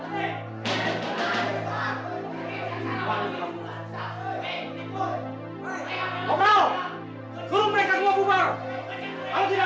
mereka adalah orang orang yang sudah kamu tipu